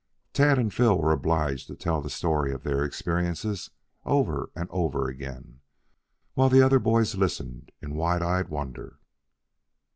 Tad and Phil were obliged to tell the story of their experiences over and over again, while the other boys listened in wide eyed wonder.